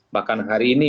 bahkan hari ini